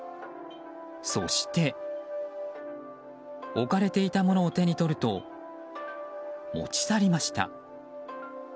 そして、置かれていたものを手に取ると、持ち去りました。